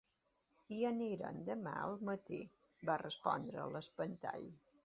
"Hi anirem demà al matí", va respondre l'espantall.